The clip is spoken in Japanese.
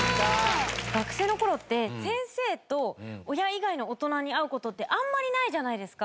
学生の頃って先生と親以外の大人に会う事ってあんまりないじゃないですか。